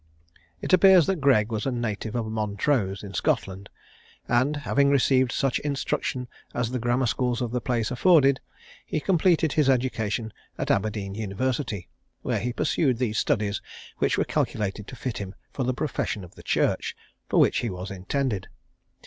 It appears that Gregg was a native of Montrose, in Scotland, and having received such instruction as the grammar schools of the place afforded, he [Illustration: An Irish Wake.] completed his education at Aberdeen university, where he pursued these studies which were calculated to fit him for the profession of the church, for which he was intended.